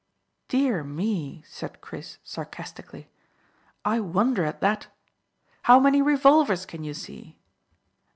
"Dear me!" said Chris sarcastically. "I wonder at that. How many revolvers can you see?"